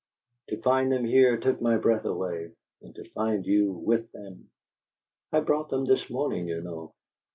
To find them here took my breath away and to find you with them " "I brought them this morning, you know."